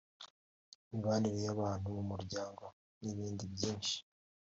imibanire y’abantu mu muryango n’ibindi byinshi